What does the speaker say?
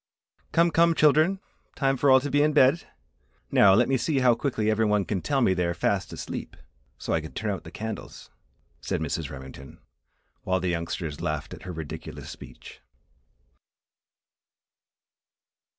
"Come, come, children! time for all to be in bed! Now, let me see how quickly every one can tell me they are fast asleep, so I can turn out the candles," said Mrs. Remington, while the youngsters laughed at her ridiculous speech.